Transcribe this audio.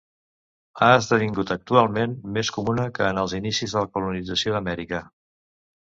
Ha esdevingut actualment més comuna que en els inicis de la colonització d'Amèrica.